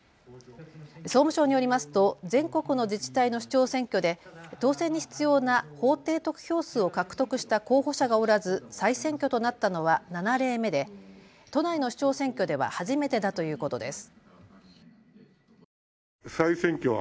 総務省によりますと全国の自治体の首長選挙で当選に必要な法定得票数を獲得した候補者がおらず再選挙となったのは７例目で都内の首長選挙では初めてだということです。